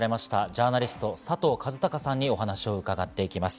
ジャーナリスト・佐藤和孝さんにお話を伺っていきます。